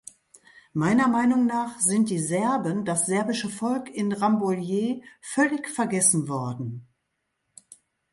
Meiner Meinung nach sind die Serben, das serbische Volk in Rambouillet völlig vergessen worden.